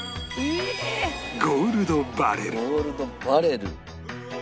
ゴールドバレル。